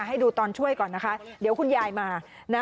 ให้ดูตอนช่วยก่อนนะคะเดี๋ยวคุณยายมานะ